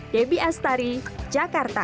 debbie astari jakarta